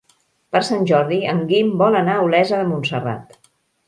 Per Sant Jordi en Guim vol anar a Olesa de Montserrat.